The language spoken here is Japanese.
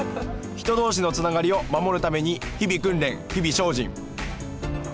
人同士のつながりを守るために日々訓練日々精進。